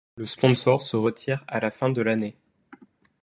Le sponsor se retire à la fin de l'année.